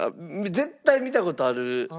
絶対見た事ある。